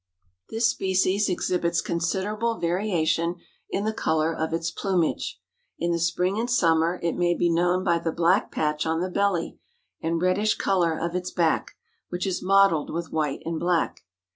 This species exhibits considerable variation in the color of its plumage. In the spring and summer it may be known by the black patch on the belly and reddish color of its back, which is mottled with white and black.